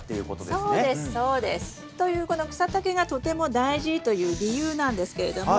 そうですそうです。というこの草丈がとても大事という理由なんですけれども。